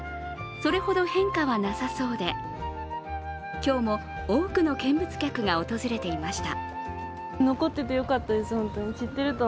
それほど変化はなさそうで今日も多くの見物客が訪れていました。